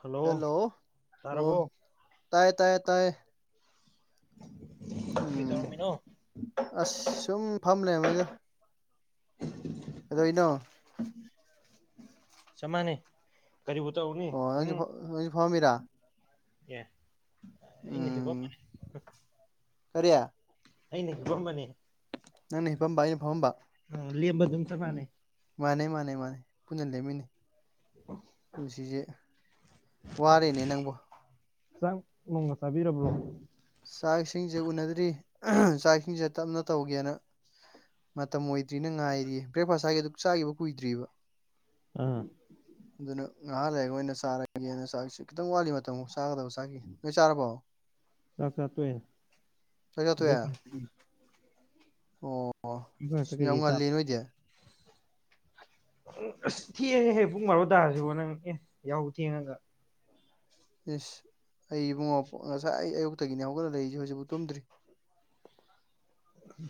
hello hello ꯑꯣ ꯇꯥꯔꯕꯣ ꯇꯥꯏꯌꯦ ꯇꯥꯏꯌꯦ ꯇꯥꯏꯌꯦ ꯀꯔꯤ ꯎꯝ ꯇꯧꯔꯝꯃꯤꯅꯣ ꯑꯁ ꯁꯨꯝ ꯐꯝꯂ ꯃꯣꯏꯗ ꯁꯃꯅꯦ ꯀꯕꯨ ꯇꯅꯤ ꯑꯣ ꯅꯪꯁꯨ ꯅꯪꯁꯨ ꯐꯝꯃꯤꯔꯥ ꯑꯦꯅꯤ ꯍꯕ ꯀꯔꯤꯌꯥ ꯑꯅꯦ ꯀꯝꯕꯅꯦ ꯅꯪꯅ ꯍꯄꯥꯝꯕ ꯑꯩꯅ ꯐꯝꯕ ꯂꯦꯝꯕ ꯑꯗꯨꯝ ꯆꯞ ꯎꯝ ꯃꯥꯟꯅꯩ ꯃꯥꯅꯦ ꯃꯥꯅꯦ ꯃꯥꯅꯦ ꯄꯨꯟꯅ ꯂꯩꯃꯤꯅꯤ ꯄꯨꯟꯁꯤꯁꯦ ꯋꯥꯔꯦꯅꯦ ꯅꯪꯕꯨ ꯆ ꯅꯣꯡꯃ ꯆꯥꯕꯤꯔꯕ꯭ꯔꯣ ꯆꯥꯛ ꯏꯁꯤꯡꯁꯦ ꯎꯅꯗ꯭ꯔꯤ ꯆꯥꯛ ꯏꯁꯤꯡꯁꯦ ꯇꯞꯅ ꯇꯧꯒꯦꯅ ꯃꯇꯝ ꯑꯣꯏꯗ꯭ꯔꯤꯅ ꯉꯥꯏꯔꯤ ꯕ꯭ꯔꯦꯛꯐꯥꯁ ꯍꯥꯏꯒꯦ ꯑꯗꯨꯛ ꯆꯥꯈꯤꯕ ꯀꯨꯏꯗ꯭ꯔꯤꯕ ꯑ ꯉꯍꯥꯟ ꯂꯩꯌꯦꯣꯏꯅ ꯆꯥꯔꯒꯦꯅ ꯆꯁꯨ ꯈꯤꯇꯪ ꯋꯥꯠꯂꯤ ꯃꯇꯝ ꯆꯥꯒꯗꯕ ꯆꯥꯈꯤ ꯅꯣꯏ ꯆꯥꯔꯐꯥꯎ ꯆꯥꯛ ꯆꯥꯛ ꯇꯋ ꯑꯣ ꯁꯤ ꯌꯥꯝ ꯉꯜꯂꯤ ꯅꯣꯏꯗꯤ ꯍ ꯑꯁ ꯊꯦꯡꯑꯦ ꯍꯦꯛ ꯄꯨꯡ ꯃꯥꯣ ꯇꯥꯔꯁꯤꯕꯣ ꯅꯪ ꯑꯦ ꯌꯥꯎ ꯊꯦꯡꯉꯒ ꯏꯁꯁ ꯑꯩ ꯏꯕꯨꯡꯉꯣ ꯉꯁꯥꯏ ꯑꯩ ꯑꯌꯨꯛꯇꯒꯤꯅꯦ ꯍꯧꯒꯠꯂ ꯂꯩꯛꯏꯁꯦ ꯍꯧꯖꯤꯛꯐꯥꯎ ꯇꯨꯝꯗ꯭ꯔꯤ ꯎꯝ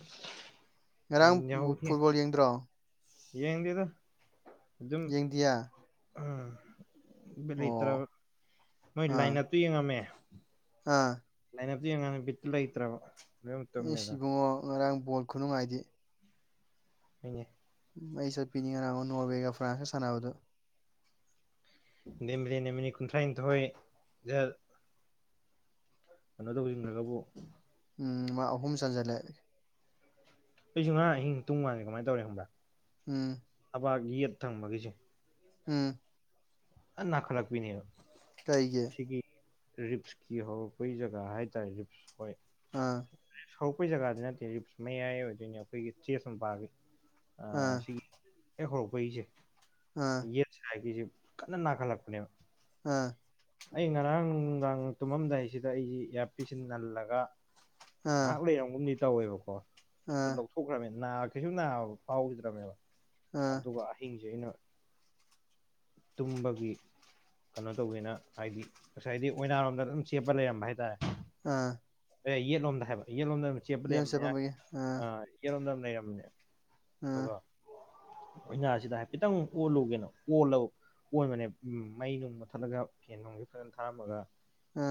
ꯉꯔꯥꯡ ꯐꯨꯠꯕꯣꯜ ꯌꯦꯡꯗ꯭ꯔꯣ ꯌꯦꯡꯗꯤꯗ ꯑꯗꯨ ꯑꯗꯨꯝ ꯌꯦꯡꯗꯤꯌꯦ ꯎꯝ ꯂꯩꯇ꯭ꯔ ꯑꯣ ꯅꯣꯏ ꯑꯥ ꯂꯥꯏꯅꯠꯇꯨ ꯌꯦꯡꯉꯝꯃꯦ ꯑꯥ ꯑꯛꯇ ꯌꯦꯅ ꯤꯇꯂ ꯏꯇꯩ꯭ꯔ ꯑꯩ ꯁꯤꯕꯨꯡꯉꯣ ꯉꯔꯥꯡ ꯕꯣꯜ ꯈꯨꯅꯨꯡꯉꯥꯏꯗꯤ ꯑ ꯃꯩ ꯁꯠꯄꯤꯅꯤꯒ ꯅ ꯅꯣꯔꯋꯦꯒ ꯐ꯭ꯔꯥꯟꯁ ꯁꯅꯕꯣ ꯅꯦꯃꯤꯗ ꯅꯦꯃꯤꯅꯤ ꯀꯨꯟꯊ꯭ꯔꯥꯅꯤꯊ ꯍꯣꯏ ꯀꯩꯅꯣ ꯇꯧꯁꯤꯟꯈ꯭ꯔꯒꯕꯨ ꯎꯝ ꯃꯥ ꯑꯍꯨꯝ ꯆꯟꯖꯜꯂꯛꯦ ꯑꯩꯁꯨ ꯉꯥꯡ ꯑꯍꯤꯡ ꯇꯨꯡ ꯃꯥꯟꯗꯦ ꯀꯃꯥꯏꯅ ꯇꯧꯔꯦ ꯍꯪꯕ꯭ꯔꯥ ꯎꯝ ꯄ ꯌꯦꯠ ꯊꯪꯕꯒꯤꯁꯦ ꯎꯝ ꯅ ꯈꯔꯥꯛꯄꯤꯅꯤꯔꯣ ꯀꯩꯒꯤ ꯔꯤꯞꯁꯀꯤ ꯍꯧꯔꯛꯄꯩ ꯖꯒꯥ ꯍꯥꯏꯇꯥꯔꯦ ꯔꯤꯞꯁ ꯑ ꯍꯧꯧꯔꯛꯄ ꯖꯒꯥꯗꯤ ꯅꯠꯇꯦ ꯔꯤꯞꯁ ꯃꯌꯥꯏ ꯑꯣꯏꯗꯣꯏꯅꯤ ꯑꯩꯈꯣꯏꯒꯤ ꯆꯦꯁ ꯑꯃ ꯄꯥꯒꯤ ꯑꯥ ꯁꯤꯒꯤ ꯍꯦꯛ ꯍꯧꯔꯛꯄꯒꯤꯁꯦ ꯑꯥ ꯌꯦꯠꯁ ꯍꯥꯏꯒꯤꯁꯦ ꯀꯅꯅꯥ ꯈꯔꯞꯅꯦꯕ ꯑꯥ ꯑꯩ ꯉꯔꯥꯡ ꯅꯨꯡꯗꯥꯡ ꯇꯨꯝꯃꯝꯗꯥꯏꯁꯤꯗ ꯑꯩꯁꯤ ꯏꯌꯥꯔ ꯄꯤꯁꯤꯟ ꯅꯜꯂꯒ ꯑꯥ ꯉꯥꯏꯍꯥꯛ ꯂꯩꯔꯝꯒꯨꯝꯅꯤ ꯇꯧꯋꯦꯕꯀꯣ ꯑꯗꯨ ꯑꯥ ꯂꯧꯊꯣꯛꯈ꯭ꯔꯕꯅ ꯅꯥꯈꯤꯁꯨ ꯅꯥꯕ ꯐꯥꯎꯈꯤꯗ꯭ꯔꯅꯦꯕ ꯑꯥ ꯑꯗꯨꯒ ꯑꯍꯤꯡꯁꯦ ꯑꯩꯅ ꯇꯨꯝꯕꯒꯤ ꯀꯩꯅꯣ ꯇꯧꯕꯒꯦꯅ ꯍꯥꯏꯗꯤ ꯉꯁꯥꯏꯗꯤ ꯑꯣꯏꯅꯥꯔꯣꯝꯗ ꯑꯗꯨꯝ ꯆꯦꯞꯄ ꯂꯩꯔꯝꯕ ꯍꯥꯏꯇꯥꯔꯦ ꯑ ꯑꯦ ꯌꯦꯠꯂꯣꯝꯗ ꯍꯥꯏꯕ ꯌꯦꯠꯂꯣꯝꯗ ꯑꯗꯨꯝ ꯆꯦꯞꯄ ꯂꯩꯔꯕꯅꯦ ꯆꯠꯄꯝꯕꯒꯤ ꯌꯦꯠꯂꯣꯝꯗ ꯑꯗꯨꯝ ꯂꯩꯔꯝꯕꯅꯦ ꯑꯝ ꯅꯥꯁꯤꯗ ꯍꯥꯏꯐꯦꯠꯇꯪ ꯑꯣꯜꯂꯨꯒꯦꯅꯣ ꯑꯣꯜꯂ ꯑꯣꯟꯕꯅꯦ ꯎꯝ ꯃꯩ ꯅꯨꯡ ꯃ ꯊꯠꯂꯒ ꯐꯦꯟ ꯅꯨꯡꯁꯦ ꯐꯖꯅ ꯊꯥꯔꯝꯃꯒ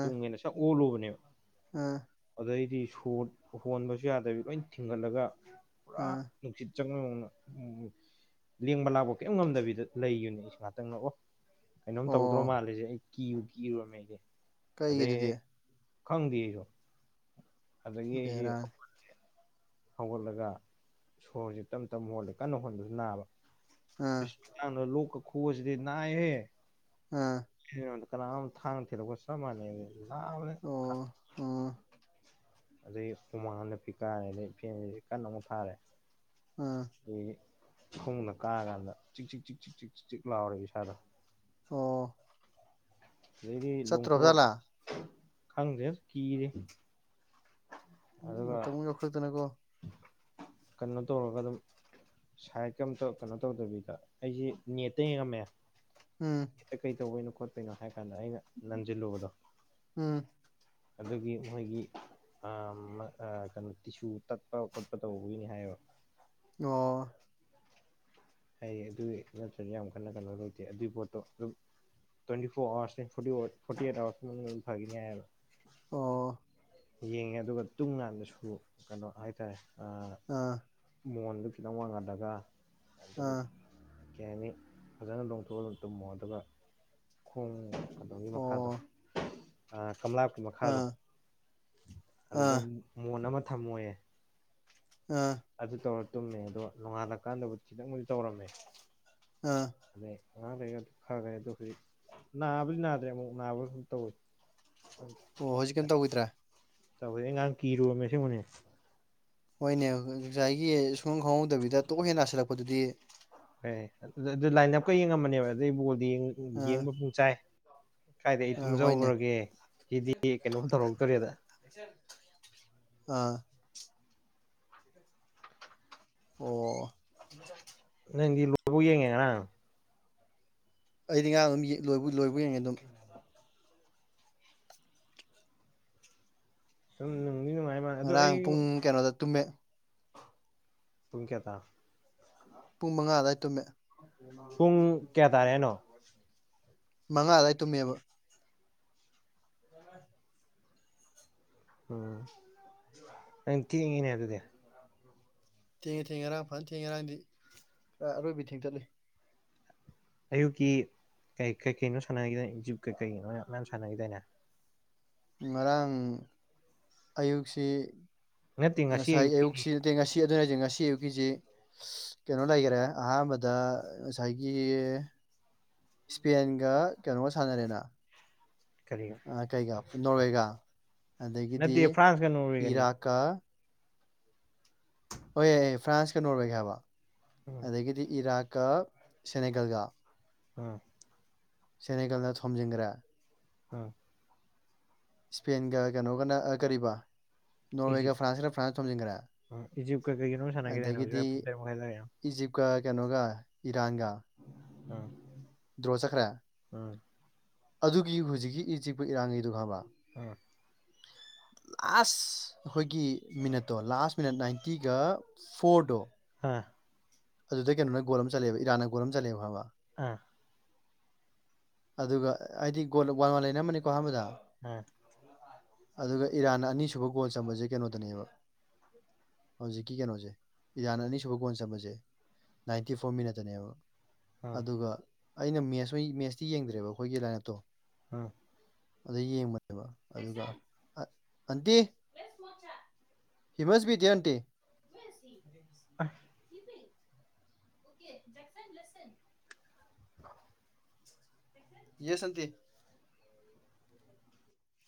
ꯇꯨꯡꯉꯦꯅ ꯁꯛ ꯑꯣꯜꯂꯨꯕꯅꯦ ꯑꯝ ꯑꯗꯩꯗꯤ ꯁꯣꯔ ꯍꯣꯟꯕꯁꯨ ꯌꯥꯗꯕꯤ ꯂꯣꯏ ꯊꯤꯡꯒꯠꯂꯒ ꯄꯨꯔꯥ ꯑꯥ ꯅꯨꯡꯁꯤꯠ ꯆꯪꯅ ꯎ ꯂꯦꯡꯕ ꯂꯥꯛꯄ ꯀꯔꯤꯝ ꯉꯝꯗꯕꯤꯗ ꯂꯩꯈꯤꯕꯅꯦ ꯑꯩ ꯉꯍꯥꯛꯇꯪꯅ ꯑꯣ ꯀꯩꯅꯣꯝ ꯇꯧꯗ꯭ꯔꯣ ꯑꯣ ꯃꯥꯜꯂꯁꯦ ꯑꯩ ꯀꯤꯌꯨ ꯀꯤꯔꯨꯔꯃꯦ ꯑꯩꯗꯤ ꯀꯩꯒꯤ ꯑꯗꯨꯗꯤ ꯈꯪꯗꯦ ꯑꯩꯁꯨ ꯑꯗꯨꯗꯒꯤ ꯑꯩꯁꯤꯦ ꯕꯦꯔꯥꯅꯤ ꯍꯧꯒꯠꯂꯒ ꯁꯣꯔꯁꯦ ꯇꯞ ꯇꯞ ꯍꯣꯜꯂꯦ ꯀꯟꯅ ꯍꯣꯣꯟꯕꯁꯨ ꯅꯥꯕ ꯑꯥ ꯁ ꯂ ꯈꯨꯖꯗꯤꯅꯥ ꯍꯦ ꯑ ꯀꯅꯥꯝ ꯊꯥꯡ ꯊꯤꯔꯛꯄ ꯆꯞ ꯃꯥꯟꯅꯩ ꯅꯕꯅꯥ ꯑꯣ ꯑꯣ ꯑꯗꯩ ꯍꯨꯃꯥꯡꯗ ꯄꯤꯛ ꯀꯥꯔꯦ ꯑꯗꯩ ꯐꯦꯟ ꯀꯟꯅ ꯑꯃꯨꯛ ꯊꯥꯔꯦ ꯑꯝ ꯈꯣꯡꯅ ꯀꯥꯀꯥꯟꯗ ꯆꯤꯛ ꯆꯤꯛ ꯆꯤꯛ ꯆꯤꯛ ꯆꯤꯛ ꯆꯤꯛ ꯆꯤꯛ ꯂꯥꯎꯔꯦ ꯏꯁꯥꯗꯣ ꯑꯣ ꯂꯩꯗꯤ ꯂꯣꯡꯊꯣꯛ ꯆꯠꯇ꯭ꯔꯣꯕꯖꯥꯠꯂꯥ ꯈꯪꯗ꯭ꯔꯦ ꯀꯤꯔꯦ ꯎ ꯑꯗꯨꯒ ꯇꯕꯨꯨꯡ ꯌꯈꯔꯗꯅꯀꯣ ꯀꯩꯅ ꯇ ꯑꯣꯂꯒ ꯑꯗꯨꯝ ꯁꯥꯏꯗ ꯀꯝꯇ ꯀꯩꯅꯣ ꯇꯧꯗꯕꯤꯗ ꯑꯩꯁꯦ ꯅꯦꯠꯇ ꯌꯦꯡꯉꯝꯃꯦ ꯎꯝ ꯍꯦꯛꯇ ꯀꯩ ꯇꯧꯕꯩꯅꯣ ꯈꯣꯠꯇꯣꯏꯩꯅꯣ ꯍꯥꯏ ꯀꯥꯟꯗ ꯑꯩꯅ ꯅꯟꯁꯤꯜꯂꯨꯕꯗꯣ ꯎꯝ ꯑꯗꯨꯗꯒꯤ ꯃꯣꯏꯒꯤ ꯀꯩꯅꯣ ꯇꯤꯁꯨ ꯇꯠꯄ ꯈꯣꯠꯄ ꯇꯧꯕꯒꯤꯅꯤ ꯍꯥꯏꯕ ꯑꯣ ꯍ ꯑꯗꯨꯒꯤ ꯅꯠꯇꯁꯨ ꯌꯥꯝ ꯀꯟꯅ ꯀꯩꯅꯣ ꯂꯩꯇꯦ ꯑꯗꯨꯒꯤ ꯄꯣꯠꯇꯣ ꯑꯗꯨꯝ ꯭ꯋꯦꯟ ꯐꯋꯥꯋꯥ ꯑꯣ ꯌꯦꯡꯉꯦ ꯑꯗꯨꯒ ꯇꯨꯡ ꯀꯗꯁꯨ ꯀꯩꯅꯣ ꯍꯥꯏꯇꯥꯔꯦ ꯑꯥ ꯑꯗꯨ ꯈꯤꯇꯪ ꯋꯥꯡꯍꯜꯂꯒ ꯑꯗꯨꯝ ꯑꯝ ꯀꯩ ꯍꯥꯏꯅꯤ ꯐꯖꯅ ꯂꯣꯡꯊꯣꯛꯑꯒ ꯇꯨꯝꯃꯣ ꯑꯗꯨꯒ ꯈꯣꯡ ꯑꯗꯣꯝꯒꯤ ꯃꯈꯥꯗꯣ ꯑꯣ ꯀꯪꯂꯥꯀꯤ ꯃꯈꯥꯗꯣ ꯑꯥ ꯑꯗꯨꯗ ꯑꯥ ꯃꯣꯟ ꯑꯃ ꯊꯝꯃꯣꯏꯌꯦ ꯑꯥ ꯑꯗꯨ ꯇꯧꯔ ꯇꯨꯝꯃꯦ ꯑꯗꯣ ꯅꯣꯡꯉꯥꯜꯂꯀꯥꯟꯗꯕꯨ ꯈꯤꯇꯪꯕꯨꯁꯨ ꯇꯧꯔꯝꯃꯦ ꯑ ꯉ ꯂꯩ ꯑꯗꯨ ꯐꯈ꯭ꯔꯦ ꯑꯗꯣ ꯍꯧꯖꯤꯛ ꯅꯥꯕꯗꯤ ꯅꯥꯗ꯭ꯔꯦ ꯑꯃꯨꯛ ꯅꯥꯕ ꯑꯗꯨꯨꯝ ꯇꯧꯋꯤ ꯑꯣ ꯍꯧꯖꯤꯛ ꯀꯝ ꯇꯧꯒꯣꯏꯗ꯭ꯔꯥ ꯇ ꯉꯅ ꯀꯤꯔꯣ ꯃꯦ ꯁꯤ ꯃꯅꯦ ꯍꯣꯏꯅꯦ ꯉꯁꯥꯏꯒꯤ ꯁꯨꯝꯪ ꯈꯪꯍꯧꯗꯕꯤꯗ ꯇꯣꯛ ꯍꯦꯟꯅ ꯍꯥꯁꯤꯜꯂꯛꯄꯗꯨꯗꯤ ꯍ ꯑꯗꯨ ꯂꯥꯏꯟ ꯑꯞꯀ ꯌꯦꯡꯉꯃꯅꯦꯕ ꯑꯗꯨꯩ ꯕꯣꯜꯗꯤ ꯑꯥ ꯌꯦꯡꯕ ꯄꯨꯡ ꯆꯥꯏ ꯀꯥꯏꯗ ꯑꯩ ꯑꯥ ꯍꯣꯏꯅꯦ ꯇꯨꯝꯖꯍꯧꯨꯔꯒꯦ ꯁꯤꯗꯤ ꯀꯩꯅꯣꯝ ꯇꯧꯔꯛꯇ꯭ꯔꯦꯗ ꯑꯥ ꯑꯣ ꯪ ꯂꯧꯕ ꯌꯦꯉꯦꯅꯥ ꯑꯩꯗꯤ ꯉꯔꯥꯡ ꯑꯗꯨꯝ ꯂꯣꯏ ꯂꯣꯏꯕꯨ ꯌꯦꯡꯉꯦ ꯑꯗꯨꯝ ꯁꯨꯝ ꯅꯨꯡꯗꯤ ꯅꯨꯡꯉꯥꯏ ꯃꯥ ꯑꯗꯣ ꯉꯔꯥꯡ ꯑꯩ ꯄꯨꯡ ꯀꯩꯅꯣꯗ ꯇꯨꯝꯃꯦ ꯄꯨꯡ ꯀꯌꯥ ꯇꯔꯕ ꯄꯨꯡ ꯃꯉꯥ ꯗꯥꯏ ꯄꯨꯡ ꯀꯌꯥ ꯇꯥꯔꯦ ꯍꯥꯏꯅꯣ ꯃꯉꯥ ꯑꯗꯨꯋꯥꯏ ꯇꯨꯝꯃꯦꯕ ꯎꯝ ꯅꯪ ꯀꯦꯡꯉꯤꯅꯦ ꯑꯗꯨꯗꯤ ꯊꯦꯡꯉꯦ ꯊꯦꯡꯉꯦ ꯉꯔꯥꯡ ꯐꯅ ꯊꯦꯡꯉꯦ ꯉꯔꯥꯡꯗꯤ ꯑꯔꯣꯏꯕꯤ ꯊꯦꯡ ꯆꯠꯂꯨ ꯑꯌꯨꯛꯀꯤ ꯀꯩ ꯀꯩ ꯀꯩꯅꯣ ꯁꯥꯟꯅꯈꯤꯗ ꯀꯩ ꯀꯩꯅꯣ ꯃꯌꯥꯝ ꯁꯥꯟꯅꯈꯤꯗꯅꯦ ꯉꯔꯥꯡ ꯑꯌꯨꯛꯁꯤ ꯅꯠꯇꯦ ꯉꯁꯤ ꯉꯁꯥꯏ ꯑ ꯑꯌꯨꯛꯀꯤꯅꯤ ꯁꯤꯠꯇ ꯉꯁꯤ ꯑꯗꯨꯅꯁ ꯉꯁꯤ ꯑꯌꯨꯛꯀꯤꯁꯤ ꯀꯩꯅꯣ ꯂꯩꯈꯔꯦ ꯑꯍꯥꯟꯕꯗ ꯉꯁꯥꯏꯒꯤ ꯏꯁꯄꯦꯟꯒ ꯀꯩꯅꯣꯒ ꯁꯥꯟꯅꯔꯦꯅ ꯀꯔꯤ ꯀꯩꯒ ꯅꯣꯔꯋꯦꯒ ꯅꯠꯇꯦ ꯑꯗꯒꯤꯗꯤ ꯐ꯭ꯔꯥꯟꯁꯀ ꯅꯣꯔꯋꯦꯒꯅꯤ ꯏꯔꯥꯛꯀ ꯍ ꯐ꯭ꯔꯥꯟꯁꯀ ꯅꯣꯔꯋꯦꯒ ꯍꯥꯏꯕ ꯎꯝ ꯑꯗꯒꯤꯗꯤ ꯏꯔꯥꯛ ꯛ ꯁꯅꯤꯒꯒ ꯎꯝ ꯁꯦꯅꯦꯀꯜꯗ ꯊꯝꯖꯤꯡꯒ꯭ꯔꯥ ꯎꯝ ꯏꯁꯄꯦꯟꯒ ꯀꯩꯅꯣꯒꯅ ꯀꯕꯥ ꯅꯣꯔꯋꯦꯒ ꯐ꯭ꯔꯥꯟꯁꯒꯅ ꯐ꯭ꯔꯥꯟꯁꯅ ꯊꯣꯝꯖꯤꯟꯈ꯭ꯔꯦ ꯏꯖꯤꯞ ꯀꯩꯒꯤꯅꯣ ꯁꯥꯟꯅꯒꯗꯅ ꯑꯗꯒꯤꯗꯤ ꯍꯧ ꯏꯖꯤꯞꯀ ꯀꯩꯅꯣꯒ ꯏꯔꯥꯡꯒ ꯎꯝ ꯗ꯭ꯔꯣ ꯆꯈ꯭ꯔ ꯎꯝ ꯑꯗꯨꯒꯤ ꯍꯧꯖꯤꯛꯀꯤ ꯏ ꯆꯤꯛꯄ ꯏꯔꯥꯡꯉꯩꯗꯨ ꯈꯡꯉꯥꯕꯥ ꯎꯝ ꯂꯥꯁ ꯑꯩꯈꯣꯏꯒꯤ ꯃꯤꯅꯠꯇꯣ ꯂꯥꯁ ꯃꯤꯅꯠ ꯅꯥꯏꯟꯇꯤꯒ ꯐꯣꯔꯗꯣ ꯑꯥ ꯑꯗꯨꯗ ꯀꯩꯅꯣ ꯒꯣꯜ ꯑꯃ ꯆꯂꯦꯕ ꯏꯔꯥꯟꯅ ꯒꯣ ꯑꯃ ꯆꯠꯂꯦꯕꯃ ꯑꯥ ꯑꯗꯨꯒ ꯑꯩꯗꯤꯒꯣ ꯋꯥꯟ ꯋꯥꯟ ꯂꯩꯅꯔꯝꯝꯕꯅꯤꯀꯣ ꯑꯍꯥꯟꯕꯗ ꯎꯝ ꯑꯗꯨꯒ ꯏꯔꯥꯟ ꯑꯅꯤꯁꯨꯕ ꯒꯣꯜ ꯆꯝꯕꯁꯦ ꯀꯩꯅꯣꯗꯅꯦꯕ ꯍꯧꯖꯤꯛꯀꯤ ꯀꯩꯅꯣꯁꯦ ꯏꯖꯥꯟ ꯑꯅꯤꯁꯨꯕ ꯀꯣꯟ ꯆꯟꯕꯥꯁꯦ ꯅꯥꯏꯟꯇꯤ ꯐꯣꯔ ꯃꯤꯅꯇꯅꯦꯕ ꯑꯥ ꯑꯗꯨꯒ ꯑꯩꯅ ꯃꯦꯁ ꯃꯦꯠꯁꯇꯤ ꯌꯦꯡꯗ꯭ꯔꯦꯕ ꯑꯩꯈꯣꯏꯒꯤ ꯂꯥꯏꯅꯥꯠꯇꯣ ꯑꯝ ꯑꯗ ꯌꯦꯡꯕꯅꯦꯕ ꯑꯗꯨꯒ ꯑꯟꯇꯤ ꯍꯤꯃꯁꯄꯤꯤꯇ ꯑꯟꯇꯤ [unintelligible] ꯑ [unintelligible] ꯌꯦ ꯁꯇ